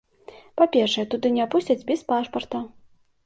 Па-першае, туды не пусцяць без пашпарта.